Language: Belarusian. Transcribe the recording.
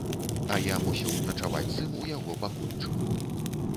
А я мусіў начаваць з ім у яго пакойчыку.